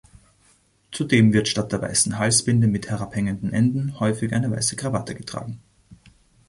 Zudem wird statt der weißen Halsbinde mit herabhängenden Enden häufig eine weiße Krawatte getragen.